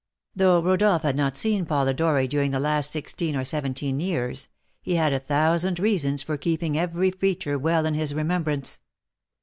Though Rodolph had not seen Polidori during the last sixteen or seventeen years, he had a thousand reasons for keeping every feature well in his remembrance.